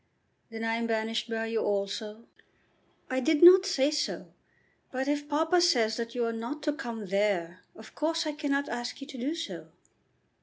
"Then I am banished by you also?" "I did not say so. But if papa says that you are not to come there, of course I cannot ask you to do so."